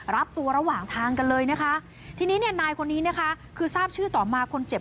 รับตัวระหว่างทางกันเลยนะคะทีนี้เนี่ยนายคนนี้นะคะคือทราบชื่อต่อมาคนเจ็บ